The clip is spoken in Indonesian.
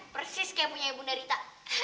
persis kayak punya bunda rita